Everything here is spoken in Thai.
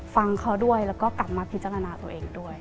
ฟังเขาด้วยแล้วก็กลับมาพิจารณาตัวเองด้วย